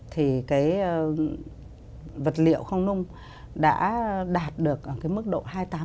thì cái vật liệu không nung đã đạt được ở cái mức độ hai mươi tám